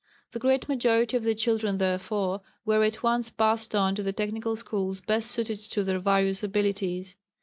The great majority of the children therefore were at once passed on to the technical schools best suited to their various abilities.